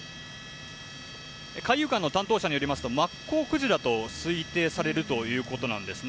海遊館の担当者によりますとマッコウクジラと推定されるということなんですね。